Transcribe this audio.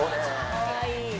かわいい！